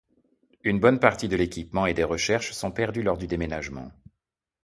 Une bonne partie de l'équipement et des recherches sont perdues lors du déménagement.